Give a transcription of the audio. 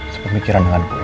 sepemikiran dengan gue